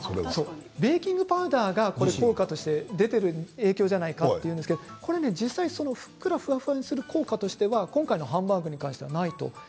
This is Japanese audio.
ベーキングパウダーとして効果が出ているのじゃないかと思われますがしっとりふわふわにする効果としては今回のハンバーグに関してはないと。